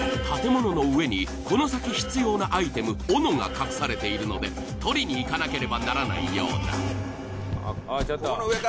建物の上にこの先必要なアイテム斧が隠されているので取りに行かなければならないようだ。